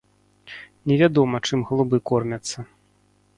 Невядома, чым галубы кормяцца.